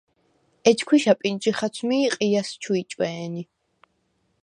ეჯ ქვიშა პინტჟი ხაცვმი ი ყიჲას ჩუ იჭვე̄ნი.